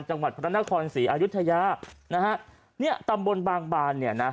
จังหวัดพระนครศรีอายุทยานะฮะเนี่ยตำบลบางบานเนี่ยนะ